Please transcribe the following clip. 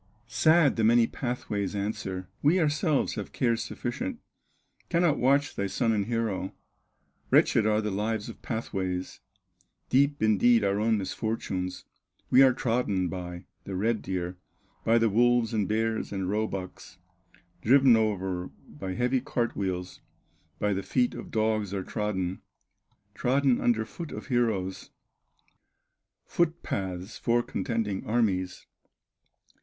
Sad, the many pathways answer: "We ourselves have cares sufficient, Cannot watch thy son and hero, Wretched are the lives of pathways, Deep indeed our own misfortunes; We are trodden by the red deer, By the wolves, and bears, and roebucks, Driven o'er by heavy cart wheels, By the feet of dogs are trodden, Trodden under foot of heroes, Foot paths for contending armies."